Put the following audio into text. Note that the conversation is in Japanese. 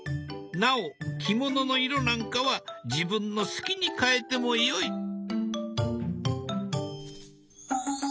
なお着物の色なんかは自分の好きに変えてもよい。